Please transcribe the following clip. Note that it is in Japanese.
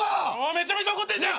めちゃめちゃ怒ってんじゃん。